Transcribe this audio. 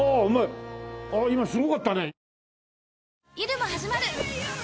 ああ今すごかったね！